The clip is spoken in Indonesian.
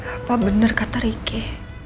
apa bener kata rike